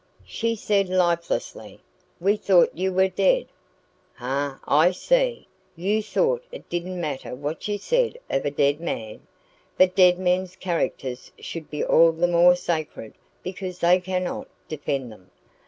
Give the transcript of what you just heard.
She said lifelessly: "We thought you were dead." "Hah! I see. You thought it didn't matter what you said of a dead man? But dead men's characters should be all the more sacred because they cannot defend them.